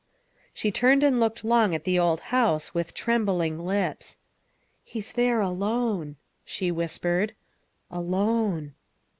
She turned and looked long at the old house, with trembling lips. " He's there alone," she whispered, " alone."